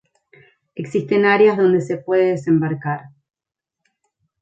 Existen áreas donde se puede desembarcar.